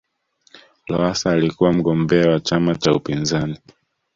lowasa alikuwa mgombea wa chama cha upinzani